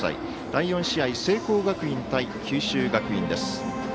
第４試合聖光学院対九州学院です。